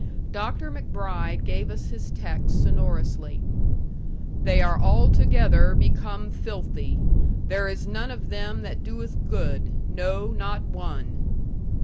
Dr. MacBride gave us his text sonorously, "'They are altogether become filthy; There is none of them that doeth good, no, not one.'"